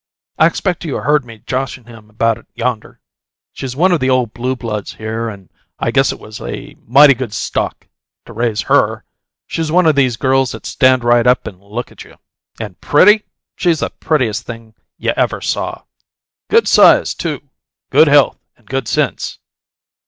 I expect you heard me joshin' him about it back yonder. She's one of the ole blue bloods here, and I guess it was a mighty good stock to raise HER! She's one these girls that stand right up and look at you! And pretty? She's the prettiest thing you ever saw! Good size, too; good health and good sense.